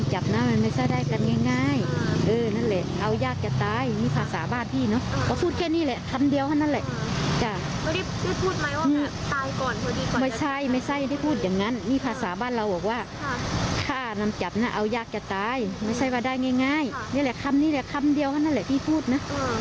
เจ้าเธอง่ายนี่แหละคำนี่แหละคำนี้เดียวก็นั่นแหละพี่พูดนะ